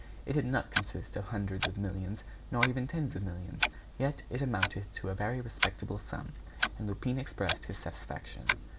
It did not consist of hundreds of millions, nor even tens of millions. Yet it amounted to a very respectable sum, and Lupin expressed his satisfaction.